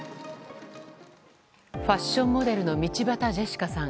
ファッションモデルの道端ジェシカさん。